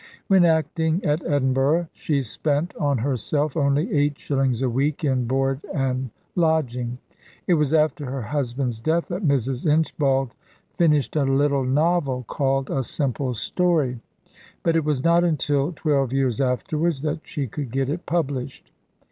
When acting at Edinburgh she spent on herself only eight shillings a week in board and lodging. It was after her husband's death that Mrs. Inchbald finished a little novel, called "A Simple Story," but it was not until twelve years afterwards that she could get it published.